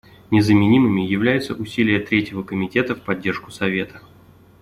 Незаменимыми являются усилия Третьего комитета в поддержку Совета.